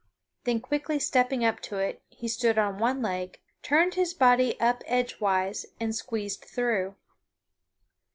Then quickly stepping up to it, he stood on one leg, turned his body up edgewise, and squeezed through.